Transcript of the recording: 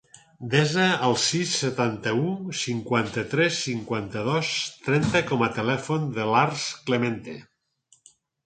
Desa el sis, setanta-u, cinquanta-tres, cinquanta-dos, trenta com a telèfon de l'Arç Clemente.